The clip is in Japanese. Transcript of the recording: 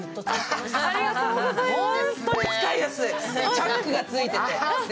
チャックがついてて。